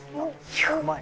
うまい。